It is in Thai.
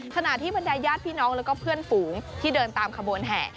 ขณะที่บรรยายญาติพี่น้องแล้วก็เพื่อนฝูงที่เดินตามขบวนแห่